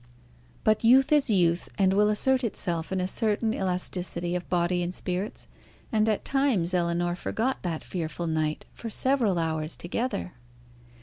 But youth is youth, and will assert itself in a certain elasticity of body and spirits; and at times Ellinor forgot that fearful night for several hours together.